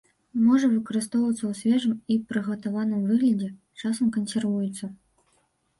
Можа выкарыстоўвацца ў свежым і прыгатаваным выглядзе, часам кансервуецца.